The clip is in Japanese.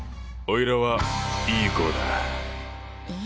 おいらは良い子だ。え。